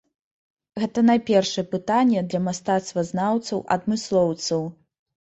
Гэта найпершае пытанне для мастацтвазнаўцаў-адмыслоўцаў.